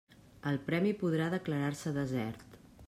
El premi podrà declarar-se desert.